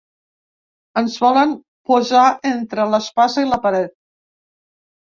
Ens volen posar entre l’espasa i la paret.